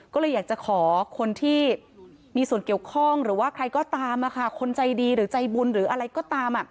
ก็เลยอยากจะขอคนที่มีส่วนเกี่ยวข้องหรือว่าใครก็ตามคนใจดีหรือใจบุญหรืออะไรก็ตาม